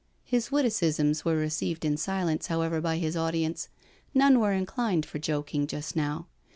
His witticisms were received in silence, however, by his audience. None were inclined for joking just now.